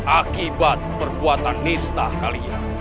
akibat perbuatan nista kalian